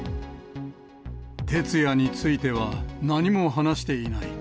徹也については何も話していない。